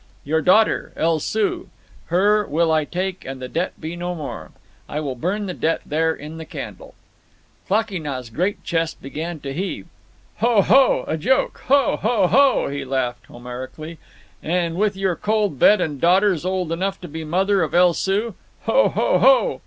"Your daughter, El Soo—her will I take and the debt be no more. I will burn the debt there in the candle." Klakee Nah's great chest began to heave. "Ho! ho!—a joke. Ho! ho! ho!" he laughed Homerically. "And with your cold bed and daughters old enough to be the mother of El Soo! Ho! ho! ho!"